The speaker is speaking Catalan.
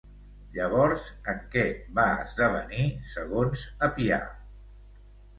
Llavors, en què va esdevenir, segons Apià?